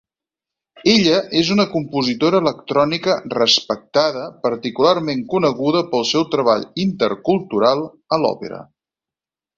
Ella és una compositora electrònica respectada, particularment coneguda pel seu treball intercultural a l'òpera.